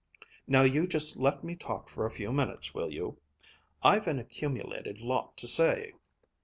Now you just let me talk for a few minutes, will you? I've an accumulated lot to say!